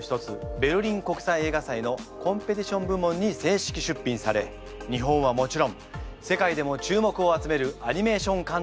ベルリン国際映画祭のコンペティション部門に正式出品され日本はもちろん世界でも注目を集めるアニメーション監督であります。